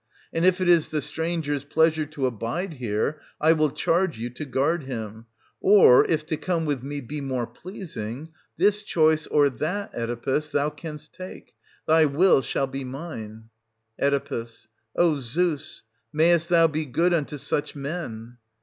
And if it is the stranger's pleasure to abide here, I will charge you to 640 guard him ; or if to come with me be more pleasing, — this choice, or that, Oedipus, thou canst take ; thy will shall be mine. Oe. O Zeus, mayest thou be good unto such men